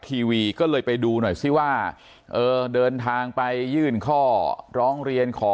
ทีวีก็เลยไปดูหน่อยซิว่าเออเดินทางไปยื่นข้อร้องเรียนขอ